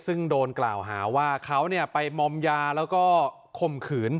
ซึ่งโดนกล่าวหาว่าเขาไปมอมยาแล้วก็ข่มขืน